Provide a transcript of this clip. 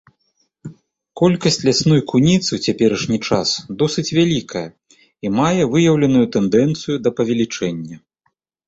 Колькасць лясной куніцы ў цяперашні час досыць вялікая і мае выяўленую тэндэнцыю да павелічэння.